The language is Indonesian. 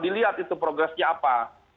dilihat itu progresnya apa